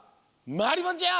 まりもちゃん